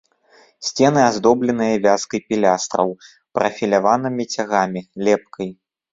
Сцены аздобленыя вязкай пілястраў, прафіляванымі цягамі, лепкай.